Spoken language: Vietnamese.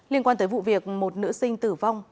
liên quan tới vụ việc một nữ sinh tử vong